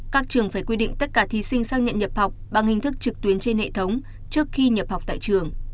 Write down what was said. các trường phải quy định tất cả thí sinh sang nhận nhập học bằng hình thức trực tuyến trên hệ thống trước khi nhập học tại trường